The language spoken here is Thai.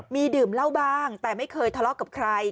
มีดื่มเหล้าบ้างแต่ไม่เคยทะเลาะกับใคร